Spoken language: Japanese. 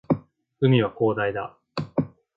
海は広大だ